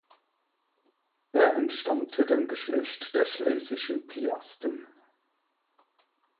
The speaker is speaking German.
Er entstammte dem Geschlecht der Schlesischen Piasten.